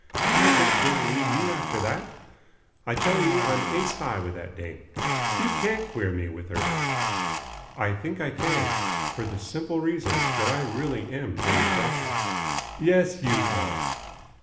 Do you think she'll believe you after that? I tell you I'm ace high with that dame. You can't queer me with her." "I think I can. For the simple reason that I really am Jimmy Crocker." "Yes, you are."